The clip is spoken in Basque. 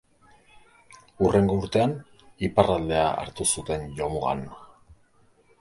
Hurrengo urtean, iparraldea hartu zuten jomugan.